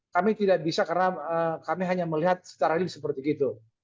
kami tidak bisa karena kami hanya melihat secara rilis seperti itu